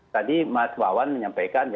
tadi mas wawan menyampaikan